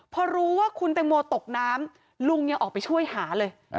พอรู้ว่าคุณแตงโมตกน้ำลุงยังออกไปช่วยหาเลย